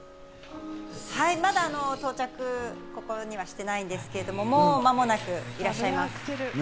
はい、まだここには到着していないんですけど、もう間もなくいらっしゃいます。